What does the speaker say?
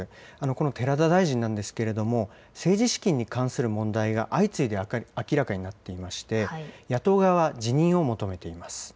この寺田大臣なんですけれども、政治資金に関する問題が相次いで明らかになっていまして、野党側は辞任を求めています。